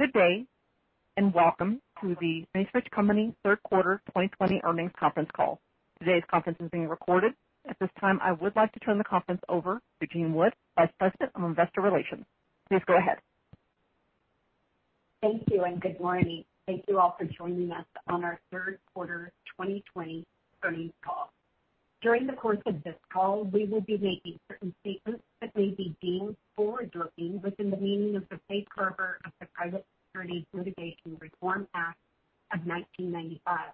Good day, and welcome to The Macerich Company Q3 2020 Earnings Conference Call. Today's conference is being recorded. At this time, I would like to turn the conference over to Jean Wood, Vice President of Investor Relations. Please go ahead. Thank you, and good morning. Thank you all for joining us on our Q3 2020 Earnings Call. During the course of this call, we will be making certain statements that may be deemed forward-looking within the meaning of the safe harbor of the Private Securities Litigation Reform Act of 1995,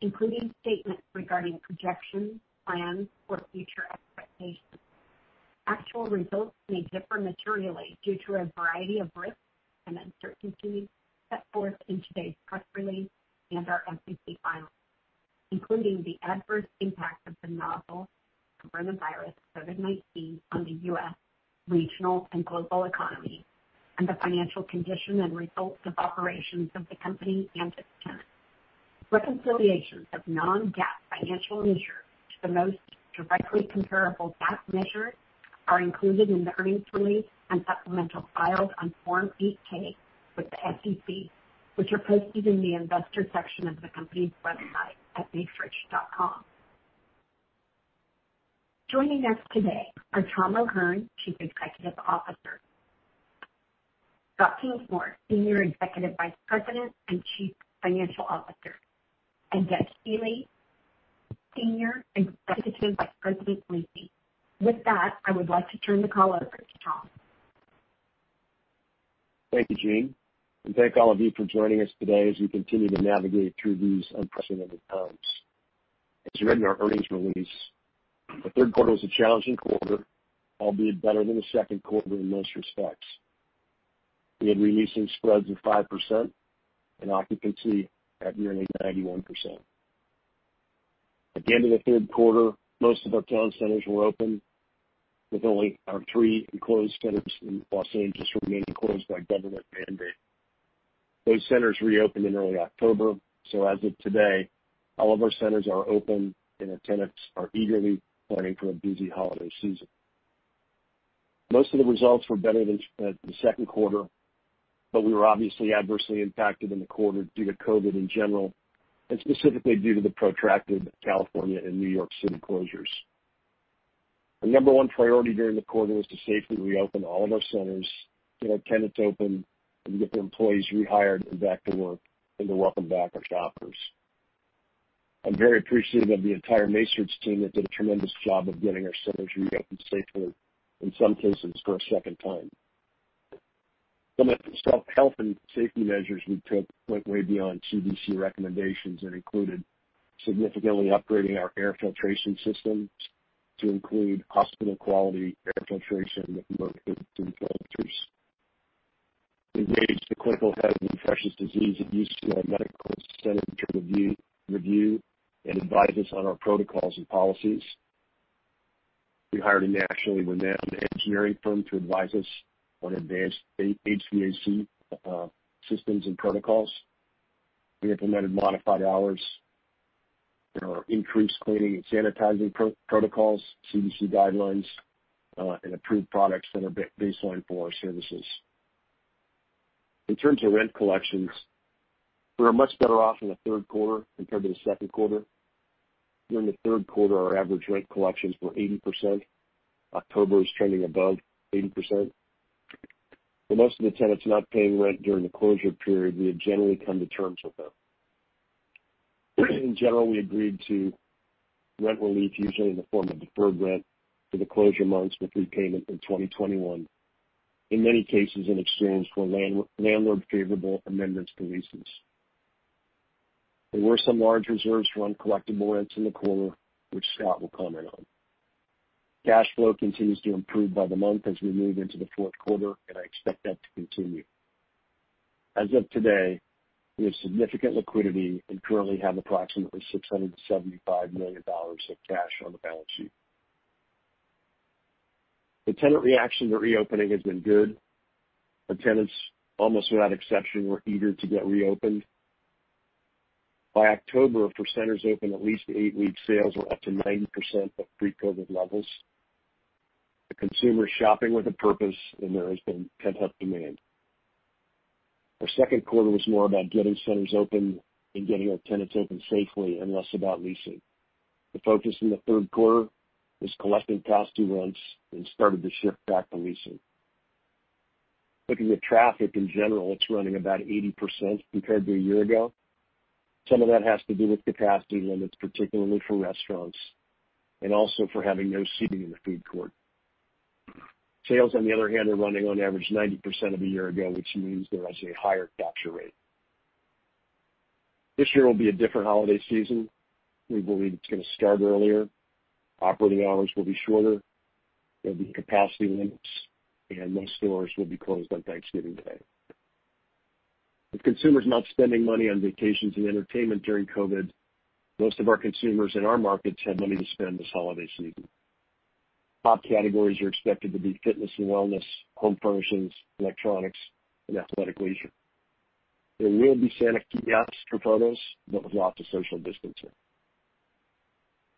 including statements regarding projections, plans, or future expectations. Actual results may differ materially due to a variety of risks and uncertainties set forth in today's press release and our SEC filings, including the adverse impact of the novel coronavirus, COVID-19, on the U.S., regional, and global economy, and the financial condition and results of operations of the company and its tenants. Reconciliations of non-GAAP financial measures to the most directly comparable GAAP measures are included in the earnings release and supplemental filed on Form 8-K with the SEC, which are posted in the investor section of the company's website at macerich.com. Joining us today are Tom O'Hern, Chief Executive Officer. Scott Kingsmore, Senior Executive Vice President and Chief Financial Officer, and Doug Healey, Senior Executive Vice President, Leasing. With that, I would like to turn the call over to Tom. Thank you, Jean, and thank all of you for joining us today as we continue to navigate through these unprecedented times. As you read in our earnings release, the Q3 was a challenging quarter, albeit better than the Q2 in most respects. We had releases spreads of 5% and occupancy at nearly 91%. At the end of the Q3, most of our town centers were open with only our three enclosed centers in Los Angeles remaining closed by government mandate. Those centers reopened in early October, so as of today, all of our centers are open, and our tenants are eagerly planning for a busy holiday season. Most of the results were better than the second quarter, but we were obviously adversely impacted in the quarter due to COVID in general, and specifically due to the protracted California and New York City closures. Our number one priority during the quarter was to safely reopen all of our centers, get our tenants open, and get the employees rehired and back to work, and to welcome back our shoppers. I am very appreciative of the entire Macerich team that did a tremendous job of getting our centers reopened safely, in some cases, for a second time. Some of the health and safety measures we took went way beyond CDC recommendations and included significantly upgrading our air filtration systems to include hospital-quality air filtration with HEPA filters. We engaged the clinical head of infectious disease at UCLA Medical Center to review and advise us on our protocols and policies. We hired a nationally renowned engineering firm to advise us on advanced HVAC systems and protocols. We implemented modified hours. There are increased cleaning and sanitizing protocols, CDC guidelines, and approved products that are baseline for our services. In terms of rent collections, we are much better off in the Q3 compared to the Q2. During the Q3, our average rent collections were 80%. October is trending above 80%. For most of the tenants not paying rent during the closure period, we had generally come to terms with them. In general, we agreed to rent relief, usually in the form of deferred rent for the closure months with repayment in 2021, in many cases, in exchange for landlord favorable amendments to leases. There were some large reserves for uncollectible rents in the quarter, which Scott will comment on. Cash flow continues to improve by the month as we move into the Q4, and I expect that to continue. As of today, we have significant liquidity and currently have approximately $675 million of cash on the balance sheet. The tenant reaction to reopening has been good. The tenants, almost without exception, were eager to get reopened. By October, for centers open at least eight weeks, sales were up to 90% of pre-COVID-19 levels. The consumer is shopping with a purpose, and there has been pent-up demand. Our Q2 was more about getting centers open and getting our tenants open safely and less about leasing. The focus in the Q3 is collecting past due rents and started to shift back to leasing. Looking at traffic in general, it's running about 80% compared to a year ago. Some of that has to do with capacity limits, particularly for restaurants, and also for having no seating in the food court. Sales, on the other hand, are running on average 90% of a year ago, which means there is a higher capture rate. This year will be a different holiday season. We believe it's going to start earlier. Operating hours will be shorter. There'll be capacity limits, most stores will be closed on Thanksgiving Day. With consumers not spending money on vacations and entertainment during COVID-19, most of our consumers in our markets have money to spend this holiday season. Top categories are expected to be fitness and wellness, home furnishings, electronics, and athletic leisure. There will be Santa kiosks for photos, with lots of social distancing.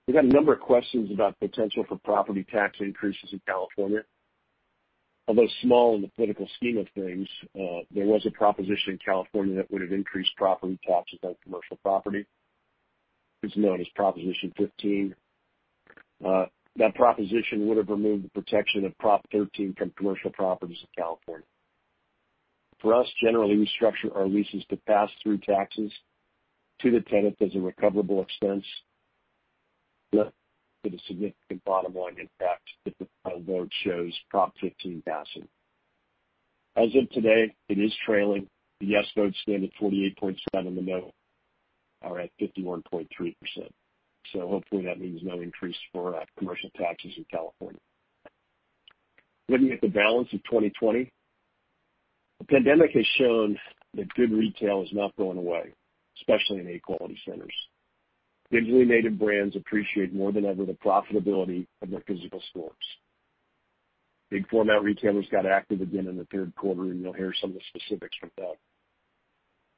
We got a number of questions about potential for property tax increases in California. Although small in the political scheme of things, there was a proposition in California that would've increased property taxes on commercial property. It's known as Proposition 15. That proposition would've removed the protection of Prop 13 from commercial properties in California. For us, generally, we structure our leases to pass through taxes to the tenant as a recoverable expense. With a significant bottom line impact if the vote shows Prop 15 passing. As of today, it is trailing. The yes votes stand at 48.7%. The no are at 51.3%. Hopefully, that means no increase for commercial taxes in California. Looking at the balance of 2020, the pandemic has shown that good retail is not going away, especially in A quality centers. Digitally native brands appreciate more than ever the profitability of their physical stores. Big format retailers got active again in the third quarter. You'll hear some of the specifics from Doug.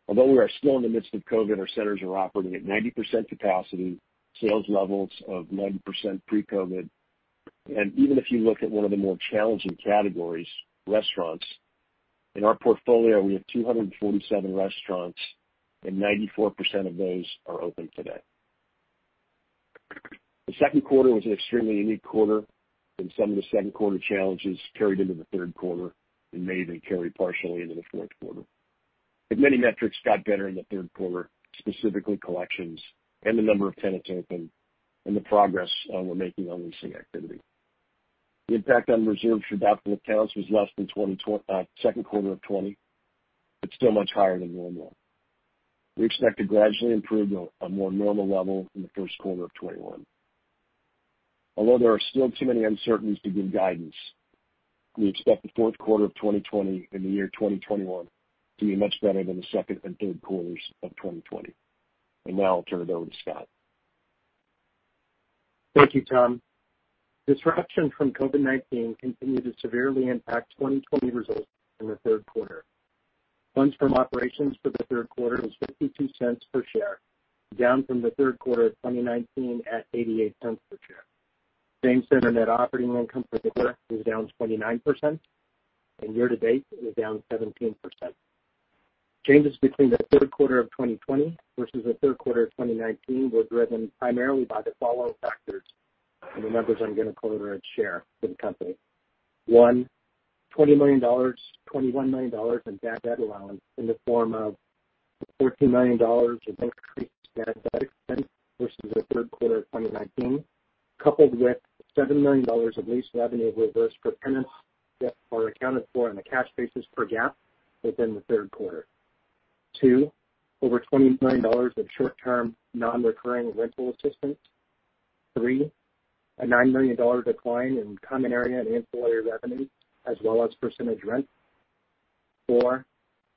Although we are still in the midst of COVID, our centers are operating at 90% capacity, sales levels of 90% pre-COVID. Even if you look at one of the more challenging categories, restaurants, in our portfolio, we have 247 restaurants, and 94% of those are open today. The Q2 was an extremely unique quarter, and some of the second quarter challenges carried into the third quarter and may even carry partially into the fourth quarter. Many metrics got better in the Q3 specifically collections and the number of tenants open and the progress we're making on leasing activity. The impact on reserves for doubtful accounts was less than Q2 of 2020, but still much higher than normal. We expect to gradually improve to a more normal level in the Q1 of 2021. Although there are still too many uncertainties to give guidance, we expect the Q4 of 2020 and the year 2021 to be much better than the Q2 and Q3 of 2020. Now I'll turn it over to Scott. Thank you, Tom. Disruption from COVID-19 continued to severely impact 2020 results in the Q3. Funds from operations for the Q3 was $0.52 per share, down from the Q3 of 2019 at $0.88 per share. Same center net operating income for the quarter was down 29%, and year to date it is down 17%. Changes between the Q3 of 2020 versus the Q3 of 2019 were driven primarily by the following factors, and the numbers I'm going to quote are at share for the company. One, $21 million in bad debt allowance in the form of $14 million of increased bad debt expense versus the Q3 of 2019, coupled with $7 million of lease revenue reversed for tenants that are accounted for on a cash basis per GAAP within the Q3. Two, over $29 million in short-term non-recurring rental assistance. Three, a $9 million decline in common area and ancillary revenue as well as percentage rent. Four,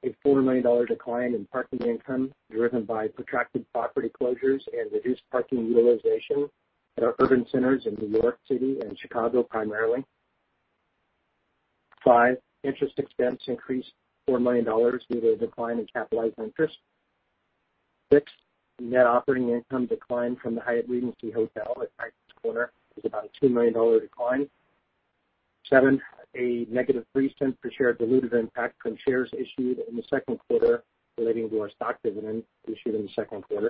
a $4 million decline in parking income driven by protracted property closures and reduced parking utilization at our urban centers in New York City and Chicago primarily. Five, interest expense increased $4 million due to a decline in capitalized interest. Six, net operating income declined from the Hyatt Regency Hotel at Tysons Corner. It was about a $2 million decline. Seven, a negative $0.03 per share diluted impact from shares issued in the Q2 relating to our stock dividend issued in the Q2.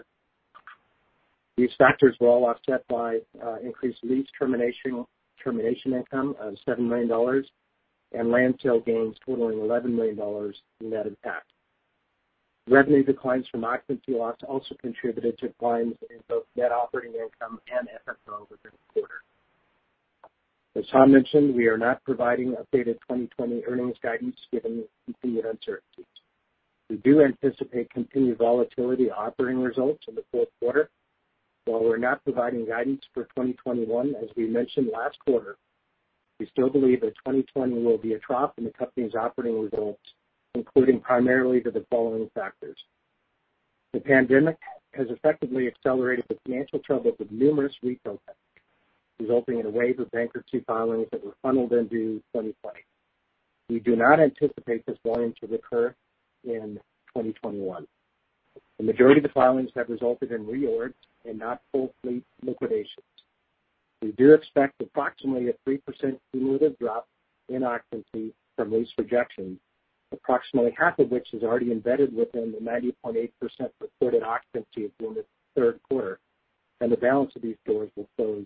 These factors were all offset by increased lease termination income of $7 million and land sale gains totaling $11 million net impact. Revenue declines from occupancy loss also contributed to declines in both net operating income and FFO for this quarter. As Tom mentioned, we are not providing updated 2020 earnings guidance given the continued uncertainties. We do anticipate continued volatility operating results in the Q4. While we're not providing guidance for 2021, as we mentioned last quarter, we still believe that 2020 will be a trough in the company's operating results, including primarily to the following factors. The pandemic has effectively accelerated the financial troubles of numerous retail tenants, resulting in a wave of bankruptcy filings that were funneled into 2020. We do not anticipate this volume to recur in 2021. The majority of the filings have resulted in reorgs and not full fleet liquidations. We do expect approximately a 3% cumulative drop in occupancy from lease rejections, approximately half of which is already embedded within the 90.8% reported occupancy during the third quarter, and the balance of these stores will close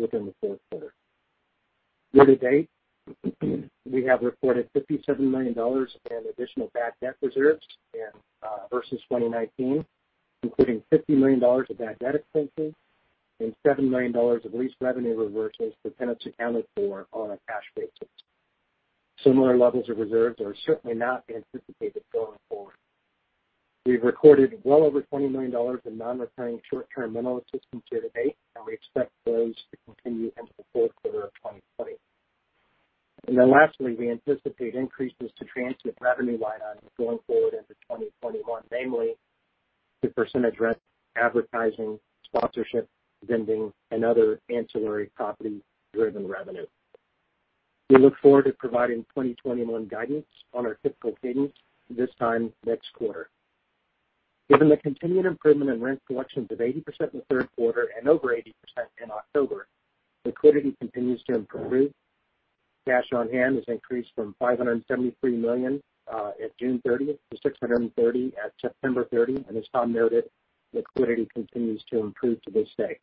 within the Q4. Year to date, we have reported $57 million in additional bad debt reserves versus 2019, including $50 million of bad debt expenses and $7 million of lease revenue reversals for tenants accounted for on a cash basis. Similar levels of reserves are certainly not being anticipated going forward. We've recorded well over $20 million in non-recurring short-term rental assistance year to date. We expect those to continue into the Q4 of 2020. Lastly, we anticipate increases to transit revenue line items going forward into 2021, namely the percentage rent, advertising, sponsorship, vending, and other ancillary property-driven revenue. We look forward to providing 2021 guidance on our typical cadence this time next quarter. Given the continued improvement in rent collections of 80% in the Q3 and over 80% in October, liquidity continues to improve. Cash on hand has increased from $573 million at June 30th to $630 million at September 30. As Tom noted, liquidity continues to improve to this day.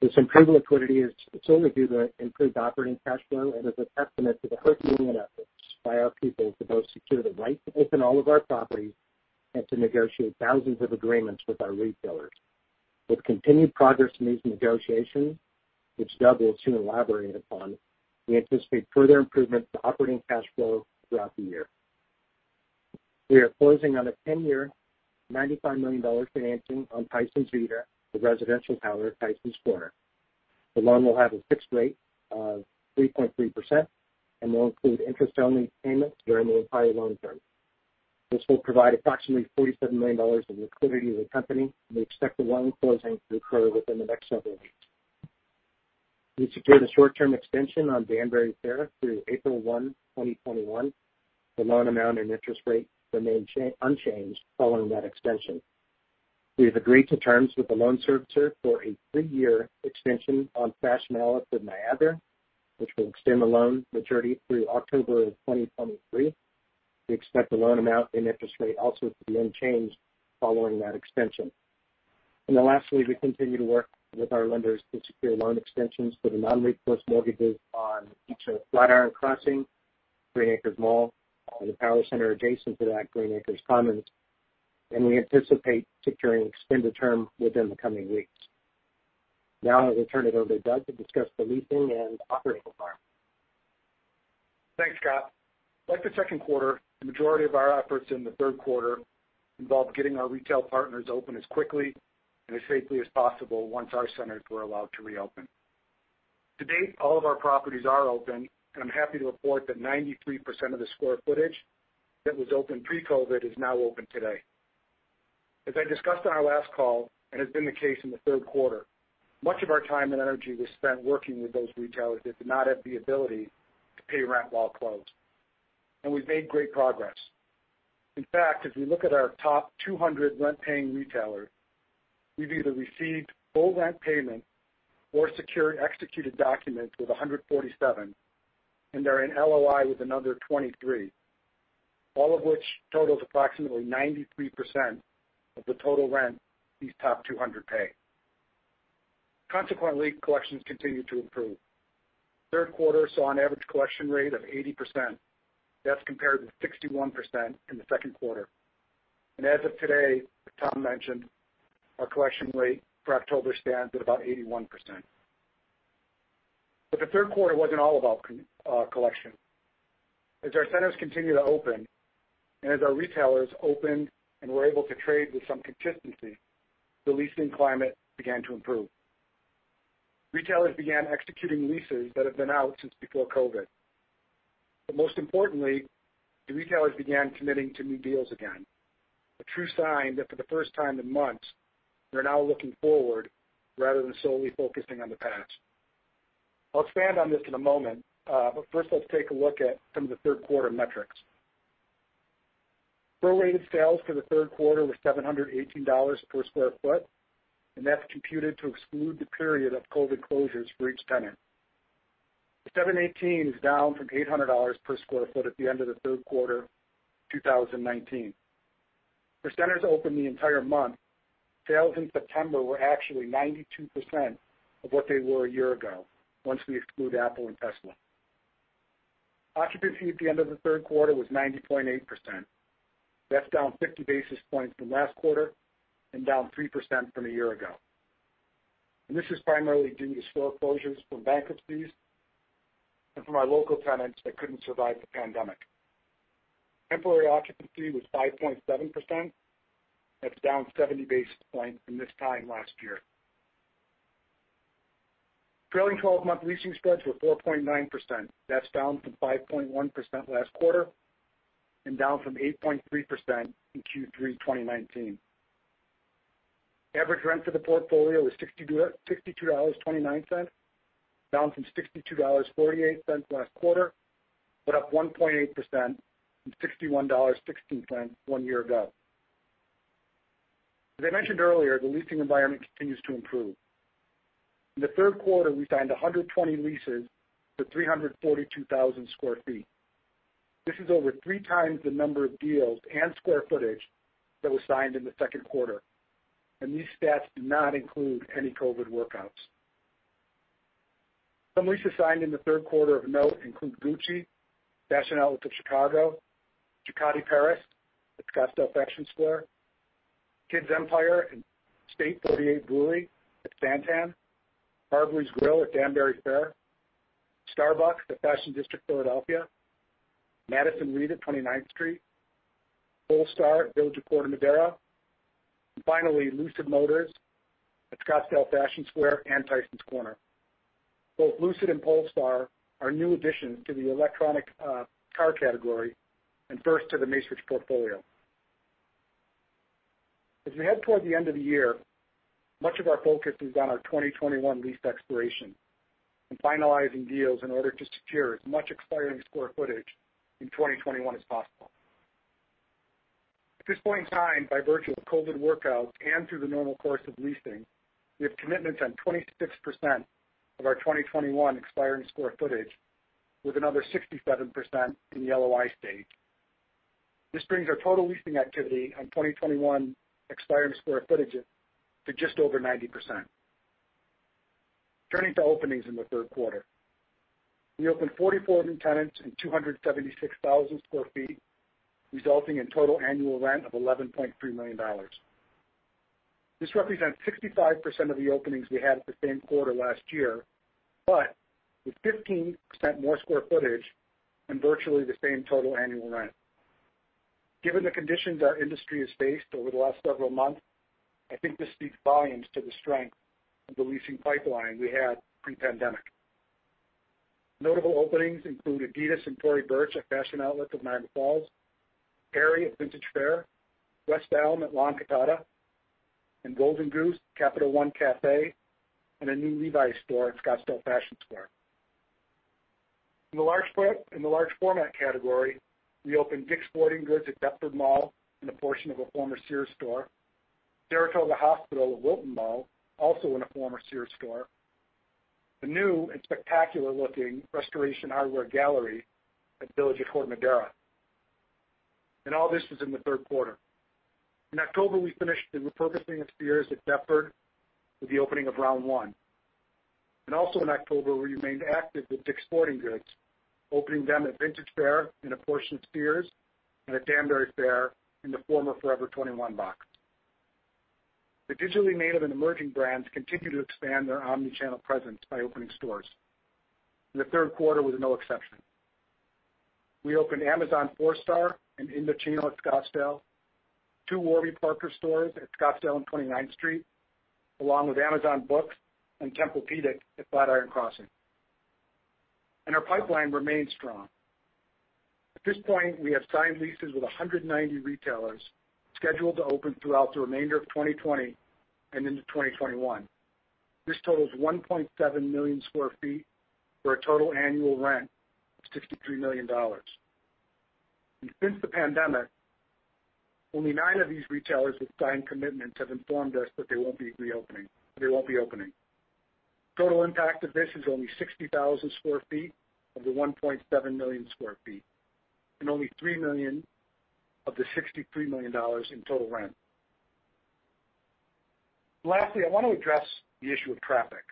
This improved liquidity is solely due to improved operating cash flow and is a testament to the Herculean efforts by our people to both secure the right to open all of our properties and to negotiate thousands of agreements with our retailers. With continued progress in these negotiations, which Doug will soon elaborate upon, we anticipate further improvements to operating cash flow throughout the year. We are closing on a 10-year, $95 million financing on Tysons Vita, the residential tower at Tysons Corner. The loan will have a fixed rate of 3.3% and will include interest-only payments during the entire loan term. This will provide approximately $47 million in liquidity to the company. We expect the loan closing to occur within the next several weeks. We secured a short-term extension on Danbury Fair through April 1, 2021. The loan amount and interest rate remain unchanged following that extension. We have agreed to terms with the loan servicer for a three-year extension on Fashion Outlets of Niagara Falls, which will extend the loan maturity through October of 2023. We expect the loan amount and interest rate also to remain unchanged following that extension. Lastly, we continue to work with our lenders to secure loan extensions for the non-recourse mortgages on each of Flatiron Crossing, Green Acres Mall, and the power center adjacent to that Green Acres Commons, and we anticipate securing extended term within the coming weeks. Now I will turn it over to Doug to discuss the leasing and operating environment. Thanks, Scott. Like the Q2, the majority of our efforts in the Q3 involved getting our retail partners open as quickly and as safely as possible once our centers were allowed to reopen. To date, all of our properties are open, and I'm happy to report that 93% of the square footage that was open pre-COVID is now open today. As I discussed on our last call, and has been the case in the third quarter, much of our time and energy was spent working with those retailers that did not have the ability to pay rent while closed, and we've made great progress. In fact, as we look at our top 200 rent-paying retailers, we've either received full rent payment or secured executed documents with 147 and are in LOI with another 23. All of which totals approximately 93% of the total rent these top 200 pay. Consequently, collections continue to improve. Third quarter saw an average collection rate of 80%. That's compared with 61% in the second quarter. As of today, as Tom mentioned, our collection rate for October stands at about 81%. The third quarter wasn't all about collection. As our centers continue to open and as our retailers opened and were able to trade with some consistency, the leasing climate began to improve. Retailers began executing leases that have been out since before COVID. Most importantly, the retailers began committing to new deals again, a true sign that for the first time in months, they're now looking forward rather than solely focusing on the past. I'll expand on this in a moment, but first let's take a look at some of the Q3 metrics. Pro-rated sales for the third quarter were $718 per square foot, that's computed to exclude the period of COVID closures for each tenant. The $718 is down from $800 per square foot at the end of the Q3 2019. For centers open the entire month, sales in September were actually 92% of what they were a year ago, once we exclude Apple and Tesla. Occupancy at the end of the Q3 was 90.8%. That's down 50 basis points from last quarter and down 3% from a year ago. This is primarily due to store closures from bankruptcies and from our local tenants that couldn't survive the pandemic. Temporary occupancy was 5.7%. That's down 70 basis points from this time last year. Trailing 12-month leasing spreads were 4.9%. That's down from 5.1% last quarter and down from 8.3% in Q3 2019. Average rent for the portfolio was $62.29, down from $62.48 last quarter, but up 1.8% from $61.16 one year ago. As I mentioned earlier, the leasing environment continues to improve. In the Q3, we signed 120 leases for 342,000 square feet. This is over three times the number of deals and square footage that was signed in the Q2, and these stats do not include any COVID workouts. Some leases signed in the Q3 of note include Gucci, Fashion Outlet of Chicago, Jacadi Paris at Scottsdale Fashion Square, Kids Empire and State 48 Brewery at SanTan, Margaree's Grill at Danbury Fair, Starbucks at Fashion District Philadelphia, Madison Reed at 29th Street, Polestar at Village of Corte Madera, and finally, Lucid Motors at Scottsdale Fashion Square and Tysons Corner. Both Lucid and Polestar are new additions to the electronic car category and first to the Macerich portfolio. As we head toward the end of the year, much of our focus is on our 2021 lease expirations and finalizing deals in order to secure as much expiring sq ft in 2021 as possible. At this point in time, by virtue of COVID workouts and through the normal course of leasing, we have commitments on 26% of our 2021 expiring sq ft, with another 67% in LOI stage. This brings our total leasing activity on 2021 expiring sq ft to just over 90%. Turning to openings in the Q3. We opened 44 new tenants in 276,000 sq ft, resulting in total annual rent of $11.3 million. This represents 65% of the openings we had at the same quarter last year, but with 15% more square footage and virtually the same total annual rent. Given the conditions our industry has faced over the last several months, I think this speaks volumes to the strength of the leasing pipeline we had pre-pandemic. Notable openings include Adidas and Tory Burch at Fashion Outlets of Niagara Falls, Aerie at Vintage Faire, West Elm at La Encantada, and Golden Goose, Capital One Café, and a new Levi's store at Scottsdale Fashion Square. In the large format category, we opened Dick's Sporting Goods at Deptford Mall in a portion of a former Sears store, Saratoga Hospital at Wilton Mall, also in a former Sears store, the new and spectacular-looking Restoration Hardware Gallery at The Village at Corte Madera. All this was in the Q3. In October, we finished the repurposing of Sears at Deptford with the opening of Round1. Also in October, we remained active with Dick's Sporting Goods, opening them at Vintage Faire in a portion of Sears and at Danbury Fair in the former Forever 21 box. The digitally native and emerging brands continue to expand their omni-channel presence by opening stores. The third quarter was no exception. We opened Amazon 4-Star and Indochino at Scottsdale, two Warby Parker stores at Scottsdale and 29th Street, along with Amazon Books and Tempur-Pedic at Flatiron Crossing. Our pipeline remains strong. At this point, we have signed leases with 190 retailers scheduled to open throughout the remainder of 2020 and into 2021. This totals 1.7 million sq ft for a total annual rent of $63 million. Since the pandemic, only nine of these retailers with signed commitments have informed us that they won't be opening. Total impact of this is only 60,000 sq ft of the 1.7 million sq ft, and only $3 million of the $63 million in total rent. Lastly, I want to address the issue of traffic.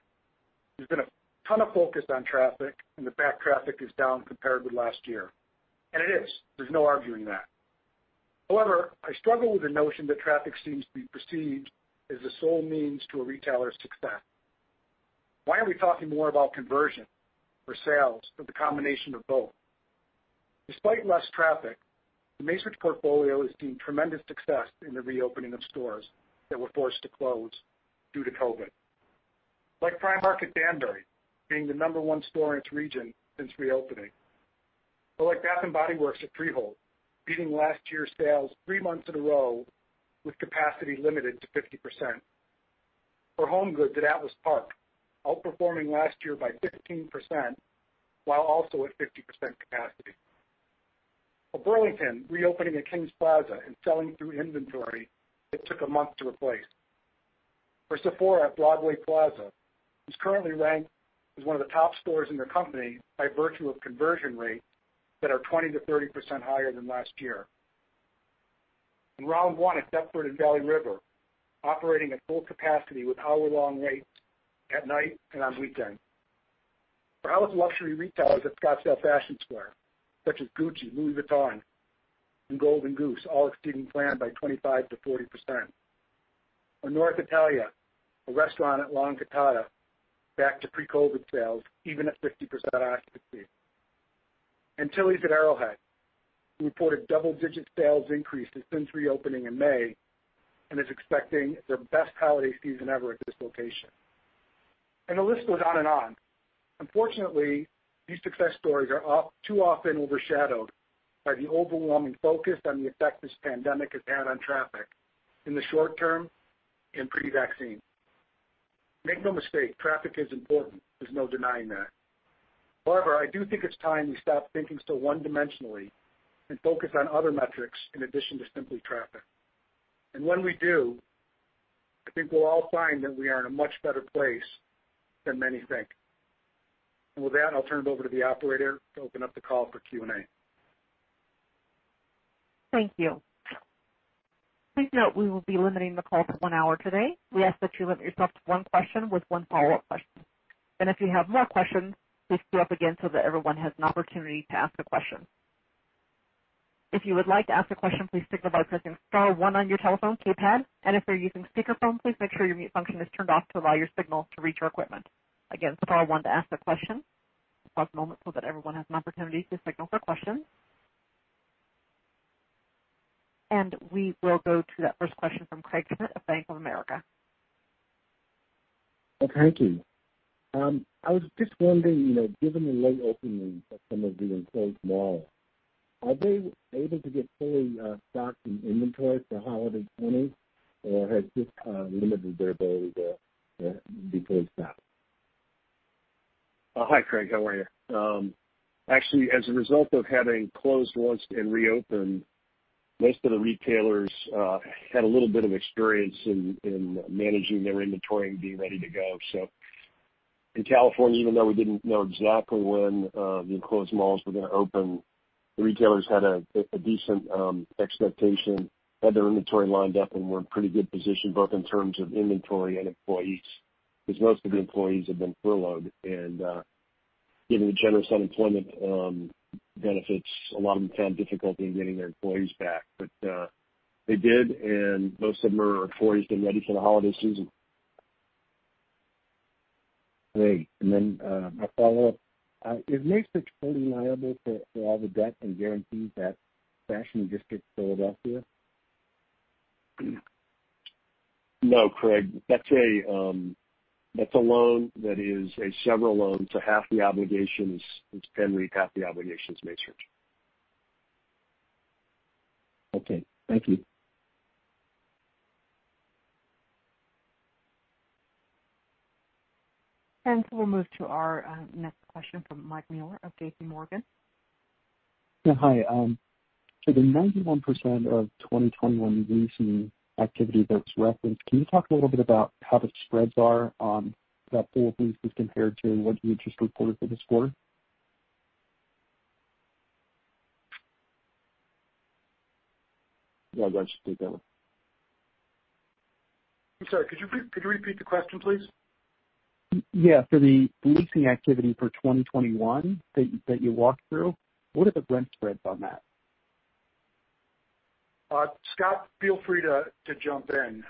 There's been a ton of focus on traffic and the fact traffic is down compared with last year. It is. There's no arguing that. However, I struggle with the notion that traffic seems to be perceived as the sole means to a retailer's success. Why aren't we talking more about conversion or sales or the combination of both? Despite less traffic, the Macerich portfolio has seen tremendous success in the reopening of stores that were forced to close due to COVID. Like Primark at Danbury, being the number one store in its region since reopening. Like Bath & Body Works at Freehold, beating last year's sales three months in a row with capacity limited to 50%. Like HomeGoods at Atlas Park, outperforming last year by 15%, while also at 50% capacity. Like Burlington reopening at Kings Plaza and selling through inventory it took a month to replace. Like Sephora at Broadway Plaza, which currently ranks as one of the top stores in the company by virtue of conversion rates that are 20%-30% higher than last year. Round1 at Deptford and Valley River, operating at full capacity with hour-long waits at night and on weekends. For our luxury retailers at Scottsdale Fashion Square, such as Gucci, Louis Vuitton, and Golden Goose, all exceeding plan by 25%-40%. North Italia, a restaurant at La Encantada, back to pre-COVID sales, even at 50% occupancy. Tilly's at Arrowhead, who reported double-digit sales increases since reopening in May and is expecting their best holiday season ever at this location. The list goes on and on. Unfortunately, these success stories are too often overshadowed by the overwhelming focus on the effect this pandemic has had on traffic in the short term and pre-vaccine. Make no mistake, traffic is important. There's no denying that. However, I do think it's time we stop thinking so one-dimensionally and focus on other metrics in addition to simply traffic. When we do, I think we'll all find that we are in a much better place than many think. With that, I'll turn it over to the operator to open up the call for Q&A. Thank you. Please note we will be limiting the call to one hour today. We ask that you limit yourself to one question with one follow-up question. If you have more questions, please queue up again so that everyone has an opportunity to ask a question. If you're using speakerphone, please make sure your mute function is turned off to allow your signal to reach our equipment. Again, star one to ask a question. I'll pause a moment so that everyone has an opportunity to signal for questions. We will go to that first question from Craig Smith of Bank of America. Thank you. I was just wondering, given the late openings of some of the enclosed malls, are they able to get fully stocked in inventory for holiday 2020, or has this limited their ability to restock? Hi, Craig. How are you? Actually, as a result of having closed once and reopened, most of the retailers had a little bit of experience in managing their inventory and being ready to go. In California, even though we didn't know exactly when the enclosed malls were going to open, the retailers had a decent expectation, had their inventory lined up, and were in pretty good position both in terms of inventory and employees, because most of the employees had been furloughed. Given the generous unemployment benefits, a lot of them found difficulty in getting their employees back. They did, and most of them are fully staffed and ready for the holiday season. Great. My follow-up, is Macerich fully liable for all the debt and guarantees at Fashion District Philadelphia? No, Craig, that's a loan that is a several loan, so it's 10 REIT, half the obligation is Macerich. Okay. Thank you. Thanks. We'll move to our next question from Mike Mueller of JPMorgan. Yeah, hi. The 91% of 2021 leasing activity that was referenced, can you talk a little bit about how the spreads are on that pool of leases compared to what you just reported for this quarter? Doug, why don't you take that one? I'm sorry. Could you repeat the question, please? Yeah. For the leasing activity for 2021 that you walked through, what are the rent spreads on that? Scott, feel free to jump in.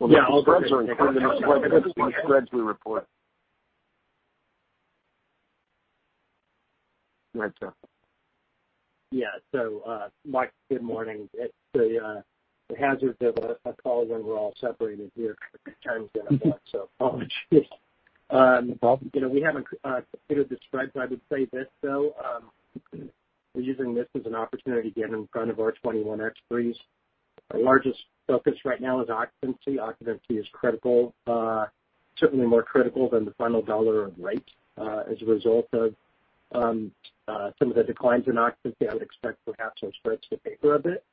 The spreads are included in the spreads we report. Right. Yeah. Mike, good morning. It's the hazards of a call when we're all separated here. Time's got a bug, so apologies. No problem. We haven't completed the spreads. I would say this, though. We're using this as an opportunity to get in front of our 2021 expiries. Our largest focus right now is occupancy. Occupancy is critical. Certainly more critical than the final dollar of rate. As a result of some of the declines in occupancy, I would expect perhaps our spreads to paper a bit.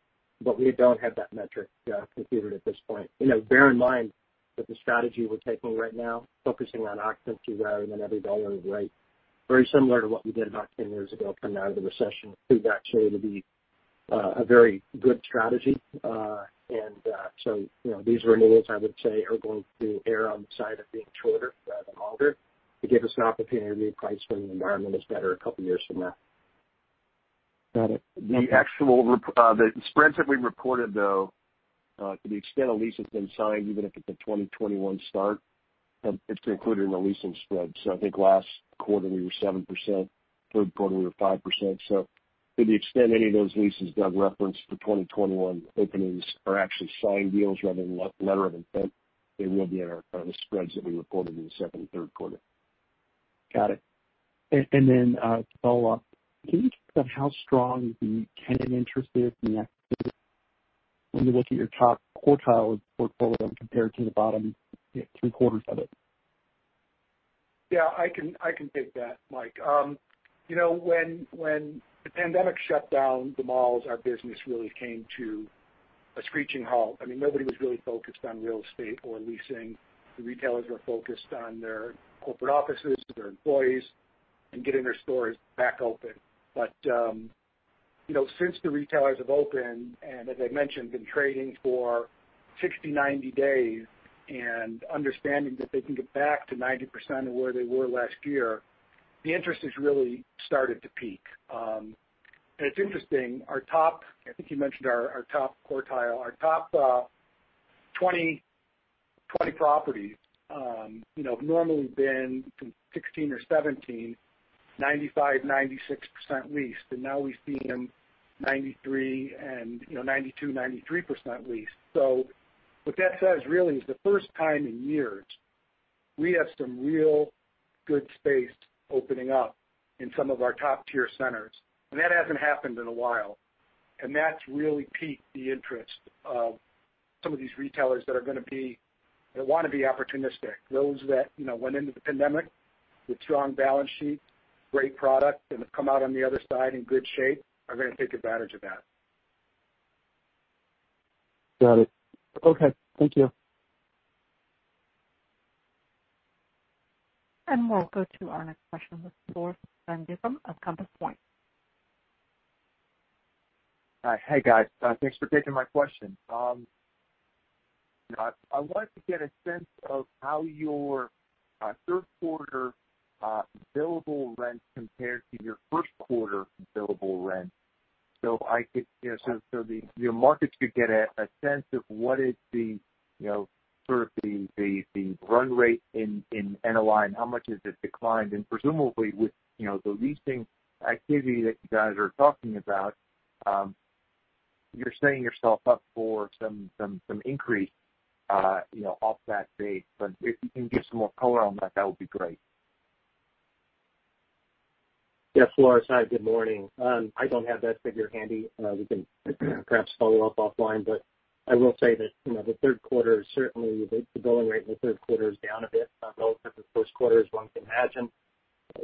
We don't have that metric computed at this point. Bear in mind that the strategy we're taking right now, focusing on occupancy rather than every dollar of rate, very similar to what we did about 10 years ago coming out of the recession, proved actually to be a very good strategy. These renewals, I would say, are going to err on the side of being shorter rather than longer to give us an opportunity to reprice when the environment is better a couple years from now. Got it. The spreads that we reported, though, to the extent a lease has been signed, even if it's a 2021 start, it's included in the leasing spread. I think last quarter we were 7%, third quarter we were 5%. To the extent any of those leases Doug referenced for 2021 openings are actually signed deals rather than letter of intent, they will be in the spreads that we reported in the Q2 and Q3. Got it. A follow-up. Can you talk about how strong the tenant interest is in that activity when you look at your top quartile of the portfolio compared to the bottom three quarters of it? I can take that, Mike. When the pandemic shut down the malls, our business really came to a screeching halt. Nobody was really focused on real estate or leasing. The retailers were focused on their corporate offices, their employees, and getting their stores back open. Since the retailers have opened, and as I mentioned, been trading for 60, 90 days and understanding that they can get back to 90% of where they were last year, the interest has really started to peak. It's interesting, our top, I think you mentioned our top quartile. Our top 20 properties have normally been from 16 or 17, 95%, 96% leased, and now we've seen them 92%, 93% leased. What that says really is the first time in years we have some real good space opening up in some of our top-tier centers, and that hasn't happened in a while. That's really piqued the interest of some of these retailers that want to be opportunistic. Those that went into the pandemic with strong balance sheets, great product, and have come out on the other side in good shape are going to take advantage of that. Got it. Okay. Thank you. We'll go to our next question with Floris van Dijkum of Compass Point. Hi. Hey, guys. Thanks for taking my question. I wanted to get a sense of how your Q3 billable rents compared to your Q1 billable rents, so the market could get a sense of what is the run rate in NOI and how much has it declined. Presumably with the leasing activity that you guys are talking about. You're setting yourself up for some increase off that base. If you can give some more color on that would be great. Floris. Hi, good morning. I don't have that figure handy. We can perhaps follow up offline, but I will say that the billing rate in the Q3 is down a bit relative to the Q1, as one can imagine.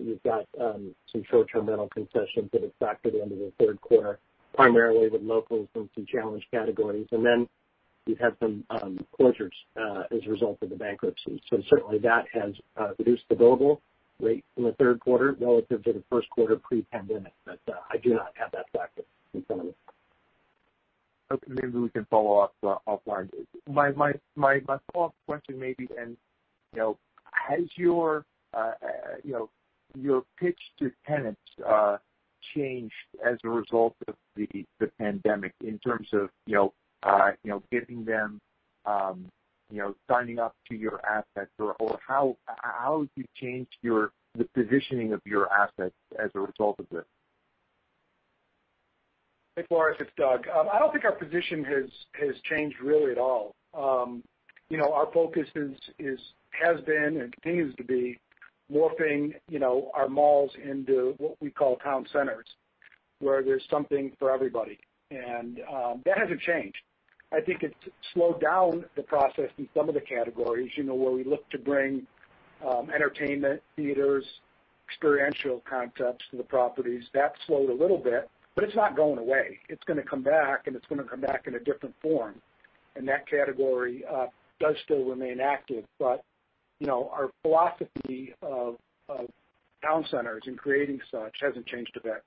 You've got some short-term rental concessions that expire at the end of the Q3, primarily with locals and some challenged categories. You've had some closures as a result of the bankruptcy. Certainly that has reduced the billable rate in the Q3 relative to the Q1 pre-pandemic. I do not have that factor in front of me. Okay, maybe we can follow up offline. My follow-up question may be, has your pitch to tenants changed as a result of the pandemic in terms of getting them signing up to your assets, or how have you changed the positioning of your assets as a result of this? Hey, Floris, it's Doug. I don't think our position has changed really at all. Our focus has been and continues to be morphing our malls into what we call town centers, where there's something for everybody, and that hasn't changed. I think it's slowed down the process in some of the categories, where we look to bring entertainment, theaters, experiential concepts to the properties. That slowed a little bit, but it's not going away. It's going to come back, and it's going to come back in a different form, and that category does still remain active. Our philosophy of town centers and creating such hasn't changed a bit.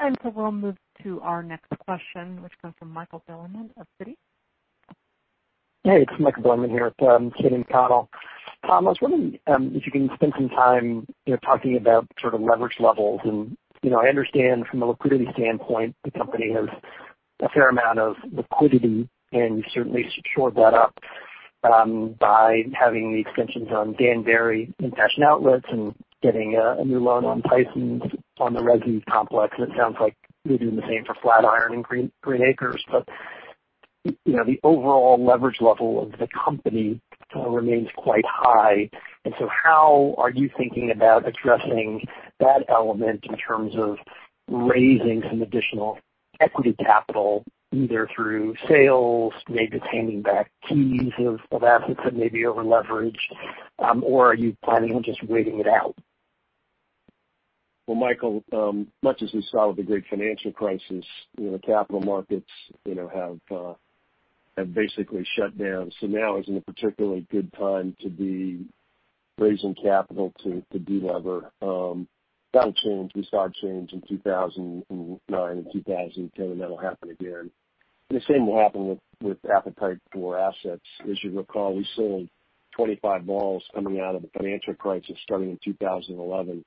Great. We'll move to our next question, which comes from Michael Bilerman of Citi. Hey, it's Michael Bilerman here with Keith and Connell. Tom, I was wondering if you can spend some time talking about leverage levels. I understand from a liquidity standpoint, the company has a fair amount of liquidity, and you certainly shored that up by having the extensions on Danbury and Fashion Outlets and getting a new loan on Tysons on the resident complex. It sounds like you're doing the same for Flatiron and Green Acres. The overall leverage level of the company remains quite high. How are you thinking about addressing that element in terms of raising some additional equity capital, either through sales, maybe taking back keys of assets that may be over-leveraged? Are you planning on just waiting it out? Well, Michael, much as we saw with the great financial crisis, capital markets have basically shut down. Now isn't a particularly good time to be raising capital to de-lever. That'll change. We saw it change in 2009 and 2010, and that'll happen again. The same will happen with appetite for assets. As you recall, we sold 25 malls coming out of the financial crisis, starting in 2011,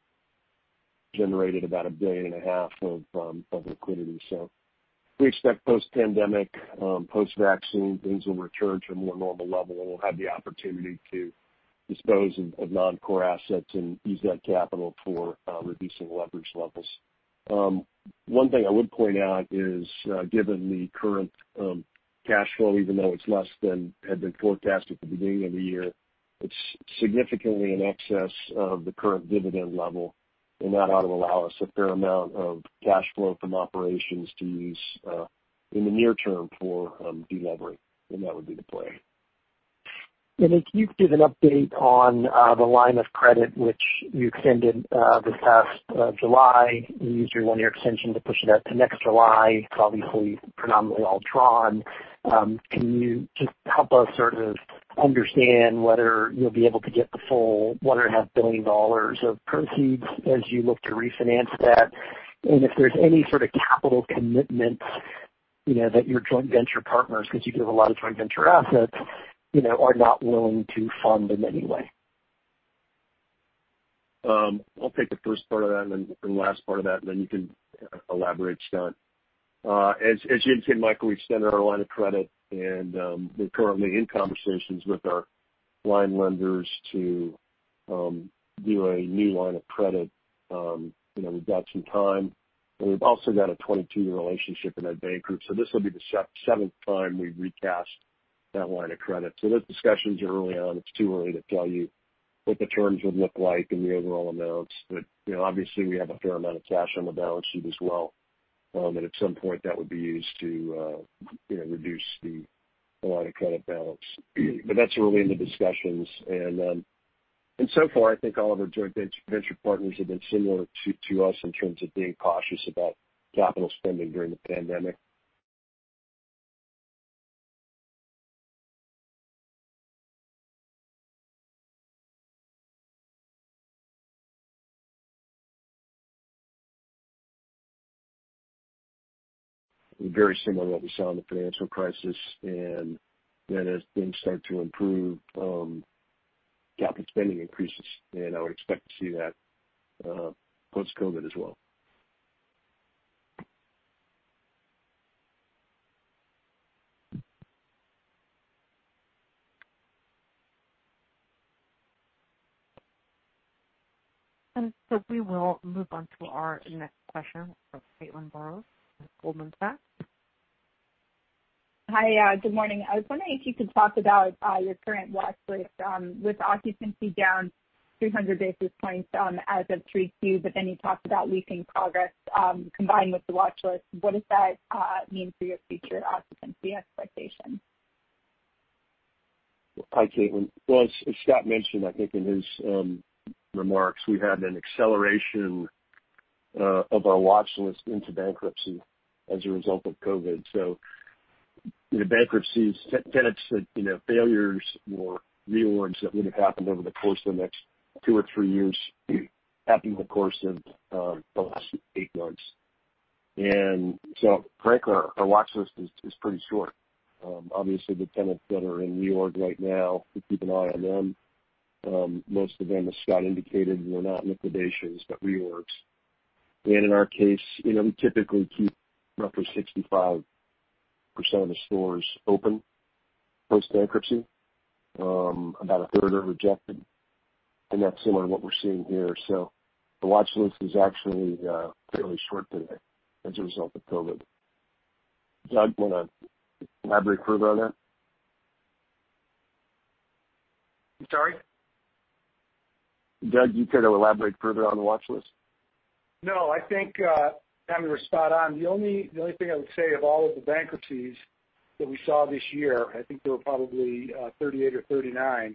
generated about a billion and a half of liquidity. We expect post-pandemic, post-vaccine, things will return to a more normal level, and we'll have the opportunity to dispose of non-core assets and use that capital for reducing leverage levels. One thing I would point out is, given the current cash flow, even though it's less than had been forecast at the beginning of the year, it's significantly in excess of the current dividend level. That ought to allow us a fair amount of cash flow from operations to use in the near term for de-levering, and that would be the play. If you could give an update on the line of credit which you extended this past July. You used your one-year extension to push it out to next July. It's obviously predominantly all drawn. Can you just help us sort of understand whether you'll be able to get the full $1.5 billion of proceeds as you look to refinance that? If there's any sort of capital commitments that your joint venture partners, because you do have a lot of joint venture assets, are not willing to fund in any way. I'll take the first part of that and the last part of that, and then you can elaborate, Scott. As you indicated, Michael, we extended our line of credit, and we're currently in conversations with our line lenders to do a new line of credit. We've got some time, and we've also got a 22-year relationship in that bank group. This will be the seventh time we've recast that line of credit. Those discussions are early on. It's too early to tell you what the terms would look like and the overall amounts. Obviously we have a fair amount of cash on the balance sheet as well, and at some point that would be used to reduce the line of credit balance. That's early in the discussions, and so far I think all of our joint venture partners have been similar to us in terms of being cautious about capital spending during the pandemic. Very similar to what we saw in the financial crisis, and then as things start to improve, capital spending increases, and I would expect to see that post-COVID as well. We will move on to our next question from Caitlin Burrows with Goldman Sachs. Hi, good morning. I was wondering if you could talk about your current watchlist with occupancy down 300 basis points as of 3Q, but then you talked about leasing progress combined with the watchlist. What does that mean for your future occupancy expectations? Hi, Caitlin. Well, as Scott mentioned, I think in his remarks, we had an acceleration of our watchlist into bankruptcy as a result of COVID. Bankruptcies, tenants that failures or reorgs that would have happened over the course of the next two or three years happened in the course of the last eight months. Frankly, our watchlist is pretty short. Obviously, the tenants that are in reorg right now, we keep an eye on them. Most of them, as Scott indicated, were not liquidations, but reorgs. In our case, we typically keep roughly 65% of the stores open post-bankruptcy. About a third are rejected, and that's similar to what we're seeing here. The watchlist is actually fairly short today as a result of COVID. Doug, do you want to elaborate further on that? I'm sorry? Doug, you care to elaborate further on the watchlist? I think Tom, you were spot on. The only thing I would say of all of the bankruptcies that we saw this year, I think there were probably 38 or 39, I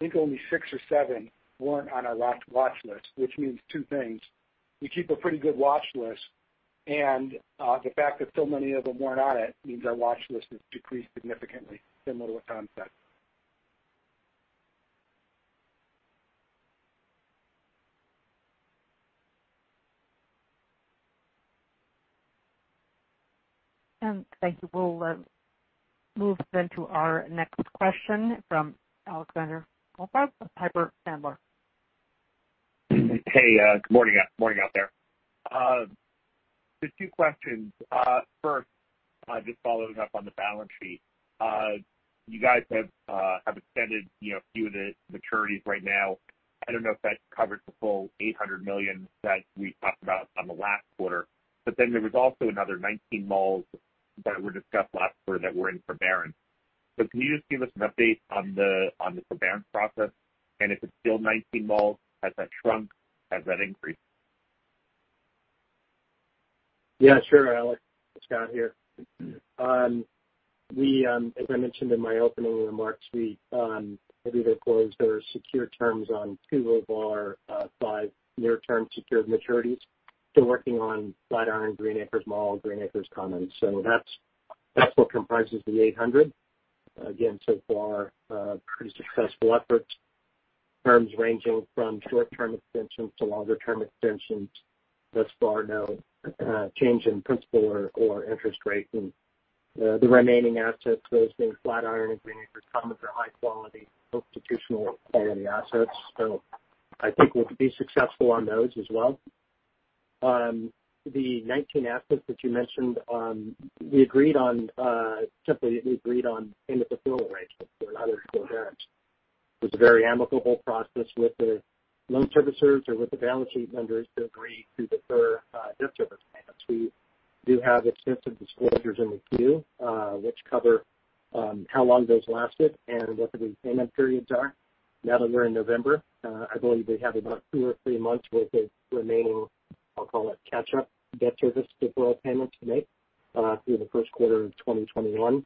think only six or seven weren't on our watchlist, which means two things. We keep a pretty good watchlist, the fact that so many of them weren't on it means our watchlist has decreased significantly, similar to what Tom said. Thank you. We'll move then to our next question from Alexander Goldfarb of Piper Sandler. Hey, good morning out there. Just two questions. First, just following up on the balance sheet. You guys have extended a few of the maturities right now. I don't know if that covered the full $800 million that we talked about on the last quarter. There was also another 19 malls that were discussed last quarter that were in forbearance. Can you just give us an update on the forbearance process, and if it's still 19 malls, has that shrunk, has that increased? Yeah, sure, Alex. Scott here. As I mentioned in my opening remarks, we have either closed or secured terms on two of our five near-term secured maturities. Still working on Flatiron, Green Acres Mall, Green Acres Commons. That's what comprises the 800. Again, so far pretty successful efforts, terms ranging from short-term extensions to longer-term extensions. Thus far, no change in principal or interest rate. The remaining assets, those being Flatiron and Green Acres Commons, are high quality, institutional-quality assets. I think we'll be successful on those as well. The 19 assets that you mentioned, simply we agreed on end-of-deferral arrangements. They're not in forbearance. It was a very amicable process with the loan servicers or with the balance sheet lenders to agree to defer debt service payments. We do have extensive disclosures in the Q, which cover how long those lasted and what the repayment periods are. Now that we're in November, I believe we have about two or three months worth of remaining, I'll call it catch-up debt service deferral payments to make through the Q1 of 2021.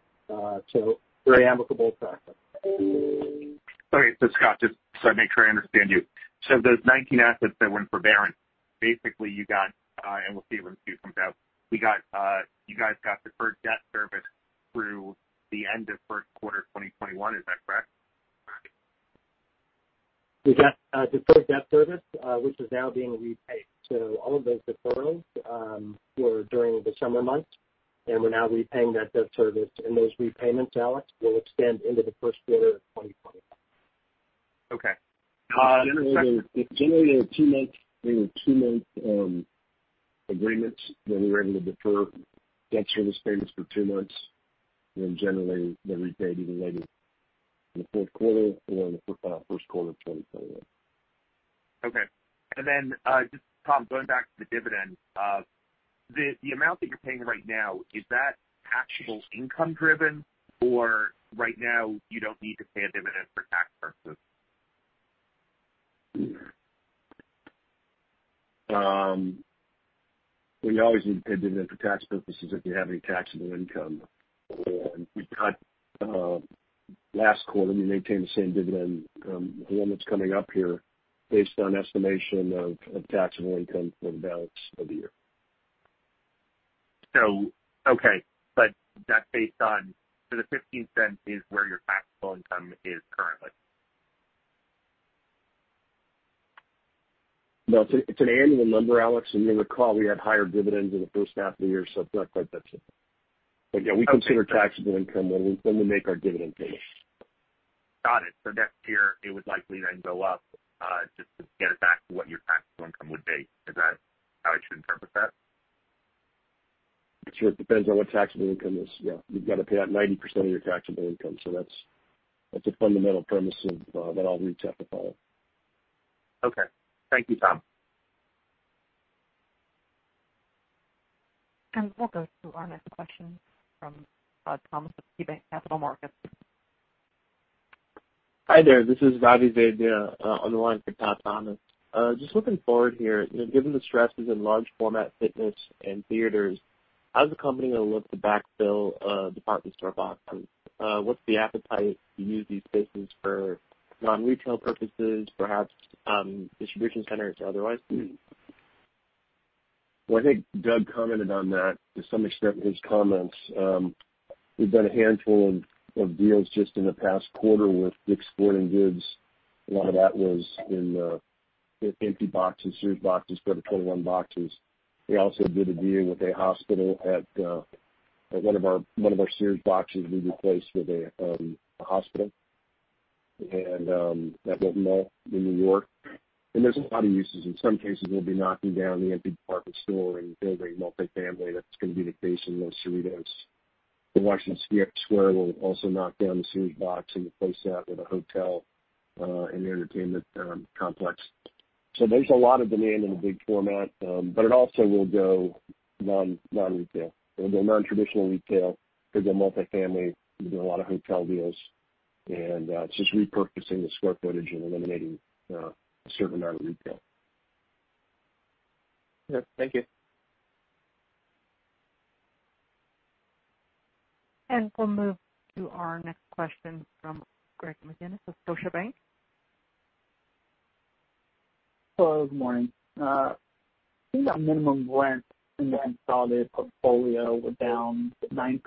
Very amicable process. Okay. Scott, just so I make sure I understand you. those 19 assets that went forbearance, basically you got, and we'll see when Q comes out, you guys got deferred debt service through the end of Q1 2021. Is that correct? We got deferred debt service, which is now being repaid. All of those deferrals were during the summer months, and we're now repaying that debt service. Those repayments, Alex, will extend into the Q1 of 2025. Okay. Generally, they were two-month agreements where we were able to defer debt service payments for two months, and then generally they repaid either late in the fourth quarter or in the Q1 of 2021. Okay. Just Tom, going back to the dividend. The amount that you're paying right now, is that taxable income driven? Right now you don't need to pay a dividend for tax purposes? Well, you always need a dividend for tax purposes if you have any taxable income. We cut last quarter, we maintained the same dividend. The one that's coming up here based on estimation of taxable income for the balance of the year. Okay. That's based on the $0.15 is where your taxable income is currently. No, it's an annual number, Alex. You'll recall we had higher dividends in the H1 of the year, so it's not quite that simple. Yeah, we consider taxable income when we make our dividend payments. Got it. Next year it would likely then go up, just to get it back to what your taxable income would be. Is that how I should interpret that? Sure. It depends on what taxable income is. Yeah. You've got to pay out 90% of your taxable income. That's a fundamental premise of that all REITs have to follow. Okay. Thank you, Tom. We'll go to our next question from Todd Thomas with KeyBanc Capital Markets. Hi there. This is Ravi Vaidya on the line for Todd Thomas. Just looking forward here, given the stresses in large format fitness and theaters, how is the company going to look to backfill department store boxes? What's the appetite to use these spaces for non-retail purposes, perhaps distribution centers or otherwise? I think Doug commented on that to some extent in his comments. We've done a handful of deals just in the past quarter with Dick's Sporting Goods. A lot of that was in empty boxes, Sears boxes, Bed Bath & Beyond boxes. We also did a deal with a hospital at one of our Sears boxes we replaced with a hospital at Wilton Mall in New York. There's a lot of uses. In some cases, we'll be knocking down the empty department store and building multifamily. That's going to be the case in Los Cerritos. In Washington Square, we'll also knock down the Sears box and replace that with a hotel and entertainment complex. There's a lot of demand in the big format. It also will go non-retail. It'll go non-traditional retail, could go multifamily. We've done a lot of hotel deals, and it's just repurposing the square footage and eliminating a certain amount of retail. Yeah. Thank you. We'll move to our next question from Greg McGinniss of Scotiabank. Hello, good morning. I think that minimum rents in the consolidated portfolio were down 9%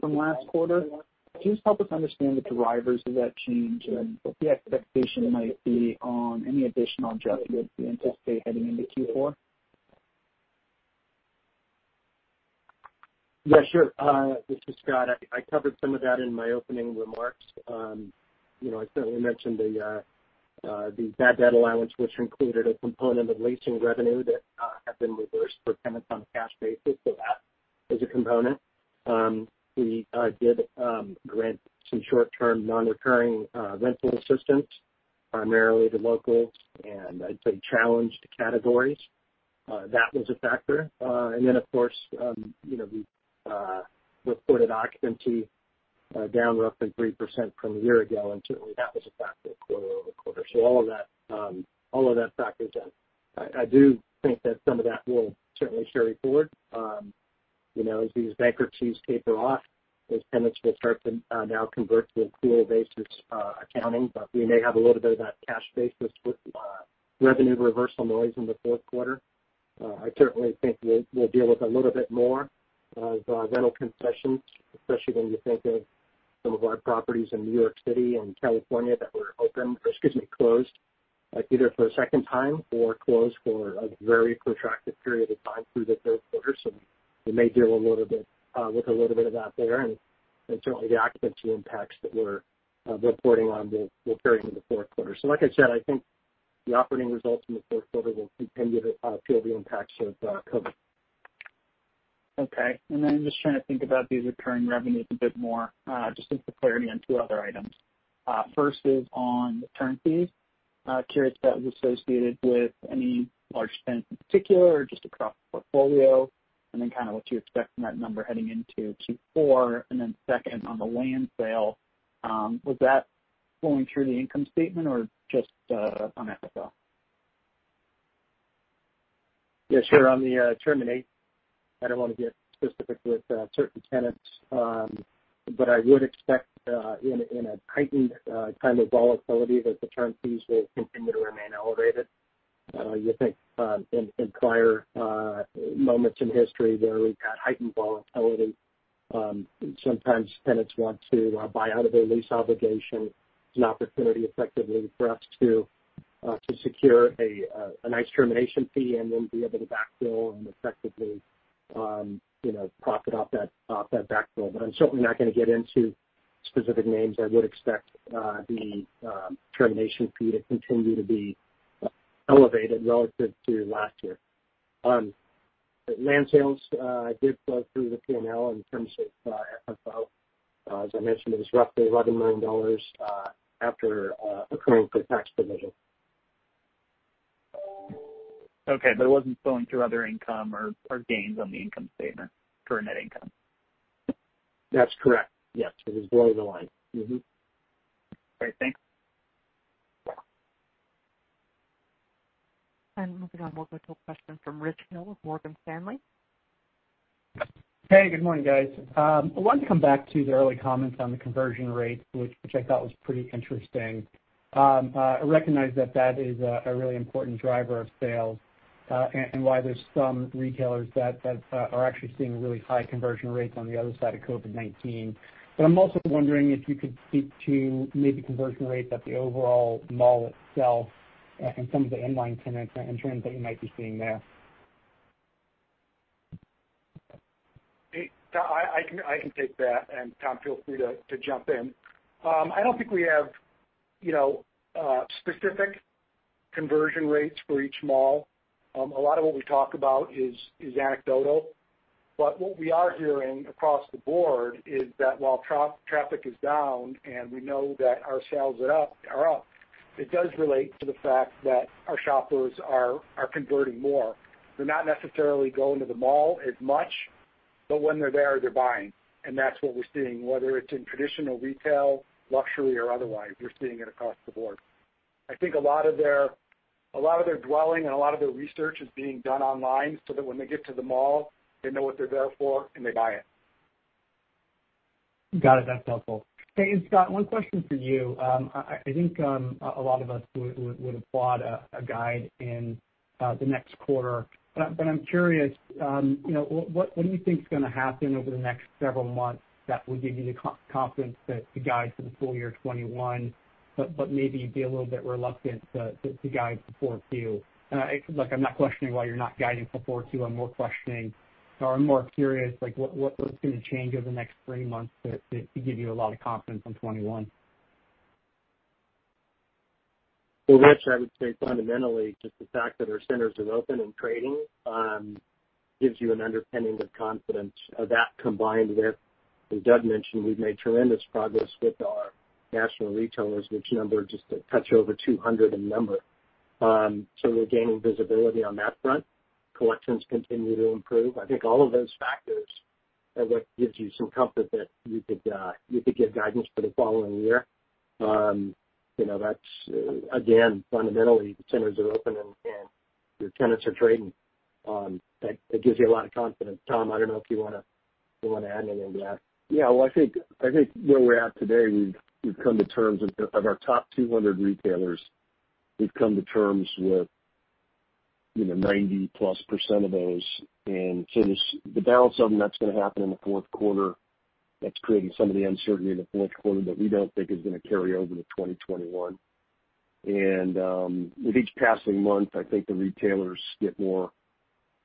from last quarter. Can you just help us understand the drivers of that change and what the expectation might be on any additional adjustments we anticipate heading into Q4? Yeah, sure. This is Scott. I covered some of that in my opening remarks. I certainly mentioned the bad debt allowance, which included a component of leasing revenue that had been reversed for tenants on a cash basis. That is a component. We did grant some short-term, non-recurring rental assistance, primarily to local, and I'd say challenged categories. That was a factor. Then, of course, we reported occupancy down roughly 3% from a year ago, and certainly that was a factor quarter-over-quarter. All of that factors in. I do think that some of that will certainly carry forward. As these bankruptcies taper off, those tenants will start to now convert to accrual basis accounting. We may have a little bit of that cash basis with revenue reversal noise in the Q4. I certainly think we'll deal with a little bit more of rental concessions, especially when you think of some of our properties in New York City and California that were open, or excuse me, closed, either for a second time or closed for a very protracted period of time through the third quarter. We may deal with a little bit of that there. Certainly, the occupancy impacts that we're reporting on will carry into the fourth quarter. Like I said, I think the operating results in the Q4 will continue to feel the impacts of COVID. Okay. Just trying to think about these recurring revenues a bit more, just for clarity on two other items. First is on the term fees. Curious if that was associated with any large tenant in particular or just across the portfolio, and then kind of what to expect from that number heading into Q4. Second, on the land sale, was that flowing through the income statement or just on FFO? Sure. On the terminate, I don't want to get specific with certain tenants. I would expect in a heightened kind of volatility that the term fees will continue to remain elevated. You think in prior moments in history where we've had heightened volatility, sometimes tenants want to buy out of their lease obligation. It's an opportunity effectively for us to secure a nice termination fee and then be able to backfill and effectively profit off that backfill. I'm certainly not going to get into specific names. I would expect the termination fee to continue to be elevated relative to last year. Land sales did flow through the P&L in terms of FFO. As I mentioned, it was roughly $11 million after accruing for the tax provision. Okay. It wasn't flowing through other income or gains on the income statement for net income? That's correct. Yes. It was below the line. Mm-hmm. Great. Thanks. Moving on, we'll go to a question from Rich Hill with Morgan Stanley. Hey, good morning, guys. I wanted to come back to the early comments on the conversion rate, which I thought was pretty interesting. I recognize that is a really important driver of sales and why there's some retailers that are actually seeing really high conversion rates on the other side of COVID-19. I'm also wondering if you could speak to maybe conversion rates at the overall mall itself and some of the inline tenants and trends that you might be seeing there. Hey, Tom, I can take that. Tom, feel free to jump in. I don't think we have specific conversion rates for each mall. A lot of what we talk about is anecdotal. What we are hearing across the board is that while traffic is down, and we know that our sales are up, it does relate to the fact that our shoppers are converting more. They're not necessarily going to the mall as much, but when they're there, they're buying. That's what we're seeing, whether it's in traditional retail, luxury or otherwise, we're seeing it across the board. I think a lot of their dwelling and a lot of their research is being done online so that when they get to the mall, they know what they're there for, and they buy it. Got it. That's helpful. Hey, Scott, one question for you. I think a lot of us would applaud a guide in the next quarter. I'm curious, what do you think is going to happen over the next several months that would give you the confidence to guide for the full-year 2021, but maybe be a little bit reluctant to guide for Q4? Look, I'm not questioning why you're not guiding for Q4. I'm more curious, what's going to change over the next three months that give you a lot of confidence on 2021? Well, Rich, I would say fundamentally, just the fact that our centers are open and trading gives you an underpinning of confidence. That combined with, as Doug mentioned, we've made tremendous progress with our national retailers, which number just a touch over 200 in number. We're gaining visibility on that front. Collections continue to improve. I think all of those factors are what gives you some comfort that you could give guidance for the following year. That's, again, fundamentally, the centers are open and your tenants are trading. That gives you a lot of confidence. Tom, I don't know if you want to add anything to that. Well, I think where we're at today, of our top 200 retailers, we've come to terms with 90%-plus of those. The balance of them, that's going to happen in the fourth quarter. That's creating some of the uncertainty in the Q4 that we don't think is going to carry over to 2021. With each passing month, I think the retailers get more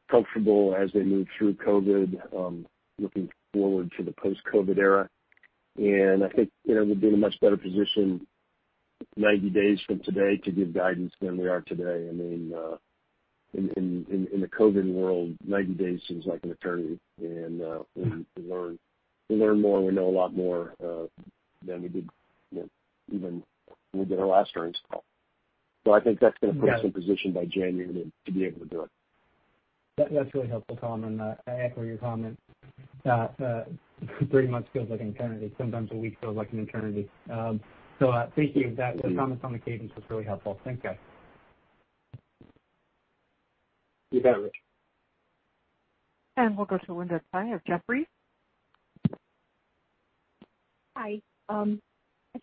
comfortable as they move through COVID, looking forward to the post-COVID era. I think we'll be in a much better position 90 days from today to give guidance than we are today. In the COVID world, 90 days seems like an eternity, and we learn more, we know a lot more than we did even when we did our last earnings call. I think that's going to put us in position by January to be able to do it. That's really helpful, Tom, I echo your comment that three months feels like an eternity. Sometimes a week feels like an eternity. Thank you. The comments on the cadence was really helpful. Thanks, guys. You bet, Rich. We'll go to Linda Tsai of Jefferies. Hi. I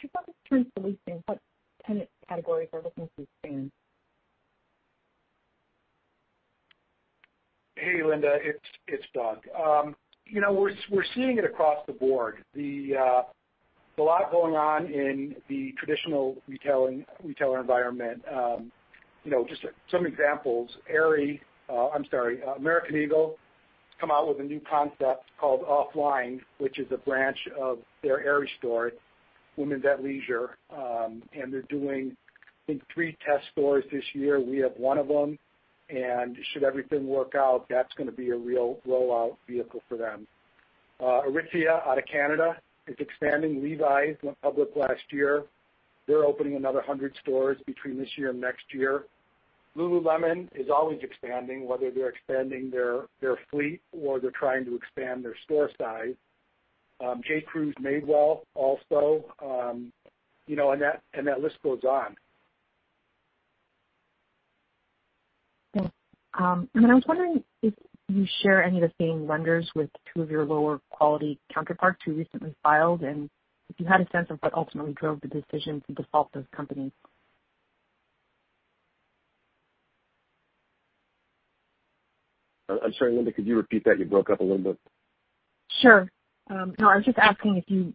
just wanted to turn to leasing. What tenant categories are looking to expand? Hey, Linda, it's Doug. We're seeing it across the board. There's a lot going on in the traditional retailer environment. Just some examples. American Eagle has come out with a new concept called OFFLINE, which is a branch of their Aerie store, women's at leisure, and they're doing, I think, three test stores this year. Should everything work out, that's going to be a real rollout vehicle for them. Aritzia out of Canada is expanding. Levi's went public last year. They're opening another 100 stores between this year and next year. Lululemon is always expanding, whether they're expanding their fleet or they're trying to expand their store size. J.Crew's Madewell also. That list goes on. Thanks. Then I was wondering if you share any of the same lenders with two of your lower quality counterparts who recently filed, and if you had a sense of what ultimately drove the decision to default those companies? I'm sorry, Linda, could you repeat that? You broke up a little bit. Sure. I was just asking if you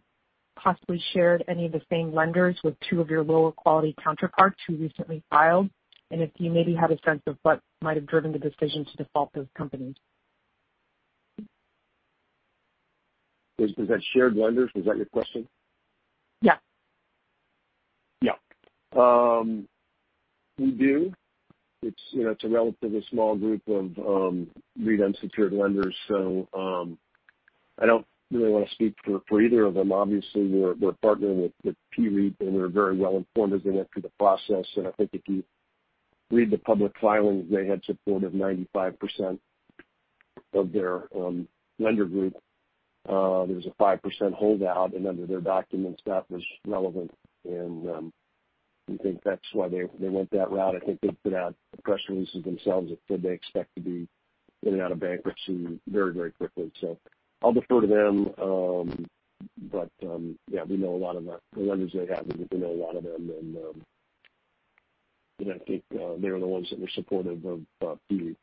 possibly shared any of the same lenders with two of your lower quality counterparts who recently filed, and if you maybe had a sense of what might have driven the decision to default those companies? Is that shared lenders? Was that your question? Yeah. Yeah. We do. It's a relatively small group of REIT unsecured lenders. I don't really want to speak for either of them. Obviously, we're partnering with PREIT, and we're very well informed as they went through the process. I think if you read the public filings, they had support of 95% of their lender group. There was a 5% holdout, and under their documents, that was relevant, and we think that's why they went that route. I think they put out press releases themselves that said they expect to be in and out of bankruptcy very, very quickly. I'll defer to them. Yeah, we know a lot of the lenders they have, and we know a lot of them, and I think they're the ones that were supportive of PREIT.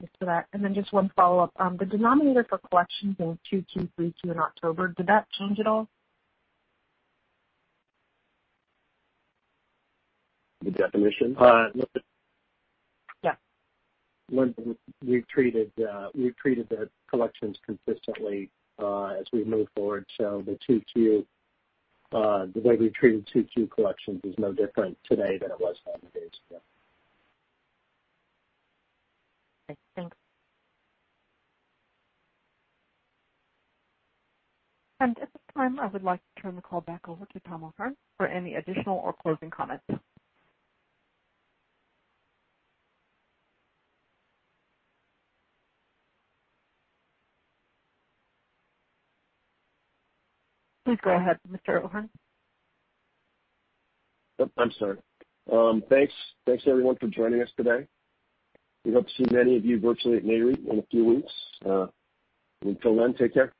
Thanks for that. Just one follow-up. The denominator for collections in 2Q, 3Q, and October, did that change at all? The definition? Yeah. Linda, we treated the collections consistently as we moved forward. The way we treated 2Q collections is no different today than it was 90 days ago. Okay, thanks. At this time, I would like to turn the call back over to Tom O'Hern for any additional or closing comments. Please go ahead, Mr. O'Hern. I'm sorry. Thanks, everyone, for joining us today. We hope to see many of you virtually at NAREIT in a few weeks. Until then, take care.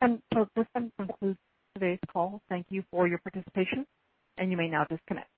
This concludes today's call. Thank you for your participation, and you may now disconnect.